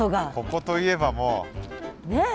ここといえばもう。ねえ。